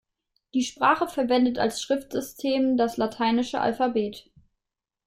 Die Sprache verwendet als Schriftsystem das lateinische Alphabet.